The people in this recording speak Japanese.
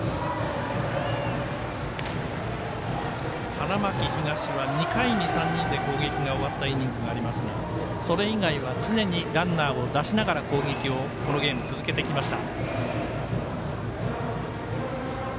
花巻東は２回に３人で攻撃が終わったイニングがありますがそれ以外は常にランナーを出しながら攻撃をこのゲーム、続けてきました。